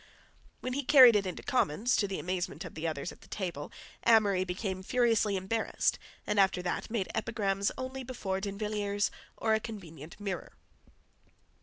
When he carried it into Commons, to the amazement of the others at table, Amory became furiously embarrassed, and after that made epigrams only before D'Invilliers or a convenient mirror.